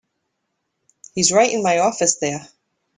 He's right in my office there.